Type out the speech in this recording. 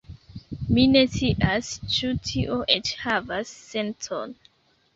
Mi ne scias, ĉu tio eĉ havas sencon